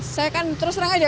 saya kan terus terang aja